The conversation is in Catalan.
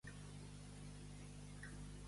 Quina categoria va obtenir allí?